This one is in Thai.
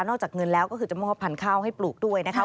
อกจากเงินแล้วก็คือจะมอบพันธุ์ข้าวให้ปลูกด้วยนะคะ